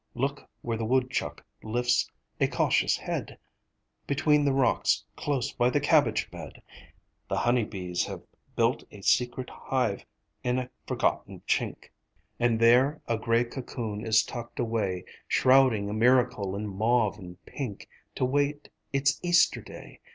Look where the woodchuck lifts a cautious head Between the rocks close by the cabbage bed; The honey bees have built a secret hive In a forgotten chink; And there a grey cocoon is tucked away Shrouding a miracle in mauve and pink To wait its Easter day.